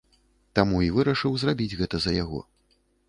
Таму і вырашыў зрабіць гэта за яго.